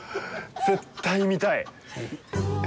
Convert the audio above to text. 絶対、見たい！